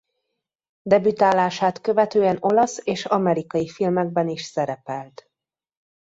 Debütálását követően olasz és amerikai filmekben is szerepelt.